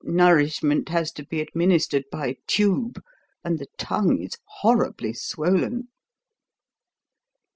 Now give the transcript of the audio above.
Nourishment has to be administered by tube, and the tongue is horribly swollen."